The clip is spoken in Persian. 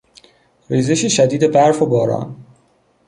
ریزش شدید برف و باران